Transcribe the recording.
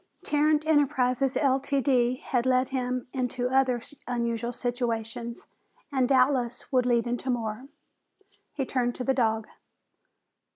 Tarrant Enterprises, Ltd., had led him into other unusual situations and doubtless would lead into more. He turned to the dog.